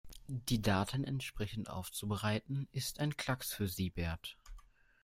Die Daten entsprechend aufzubereiten, ist ein Klacks für Siebert.